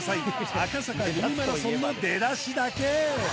赤坂ミニマラソンの出だしだけ